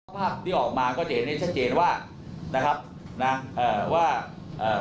ภาพที่ออกมาก็จะเห็นได้ชัดเจนว่านะครับนะเอ่อว่าเอ่อ